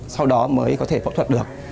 sau đó mới có thể phẫu thuật được